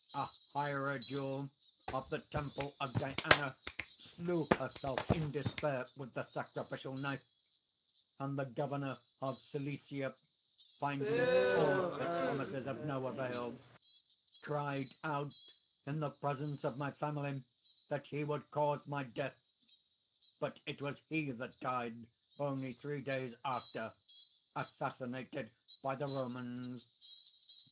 A hierodule of the temple of Diana, slew herself in despair with the sacrificial knife; and the governor of Cilicia, finding all his promises of no avail, cried out in the presence of my family that he would cause my death; but it was he that died only three days after, assassinated by the Romans."